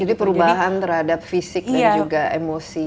jadi perubahan terhadap fisik dan juga emosi